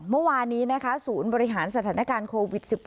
เมื่อวานนี้นะคะศูนย์บริหารสถานการณ์โควิด๑๙